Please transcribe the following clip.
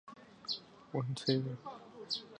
扁果唐松草为毛茛科唐松草属下的一个变种。